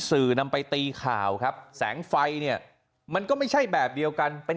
สื่อนำไปตีข่าวครับแสงไฟเนี่ยมันก็ไม่ใช่แบบเดียวกันเป็น